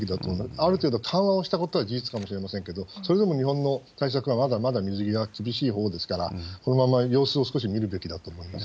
ある程度緩和をしたことは事実かもしれませんけれども、それでも日本の対策はまだまだ水際、厳しいほうですから、このまま様子を少し見るべきだと思います。